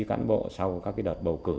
cán bộ sau các đợt bầu cử